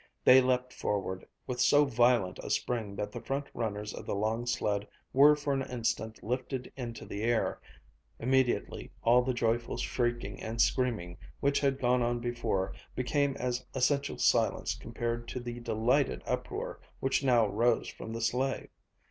They leaped forward with so violent a spring that the front runners of the long sled were for an instant lifted into the air. Immediately all the joyful shrieking and screaming which had gone on before, became as essential silence compared to the delighted uproar which now rose from the sleigh.